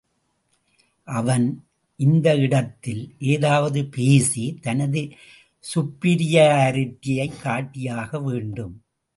அவன், இந்த இடத்தில், ஏதாவது பேசி, தனது சுப்பீரியாரிட்டியை காட்டியாக வேண்டும்.